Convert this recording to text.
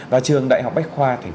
và trường đại học bách khoa tp hcm